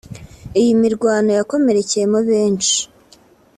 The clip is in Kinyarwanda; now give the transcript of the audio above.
Iyi mirwano yakomerekeyemo benshi